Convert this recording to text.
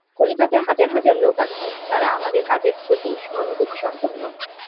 কলিকাতায় হাজার হাজার লোক আছে, যারা আমাদের কাজের প্রতি সহানুভূতিসম্পন্ন।